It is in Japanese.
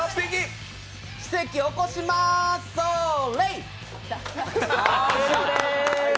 奇跡を起こしまーす、そーれ！